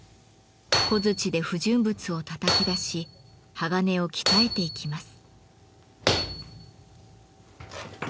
小づちで不純物をたたき出し鋼を鍛えていきます。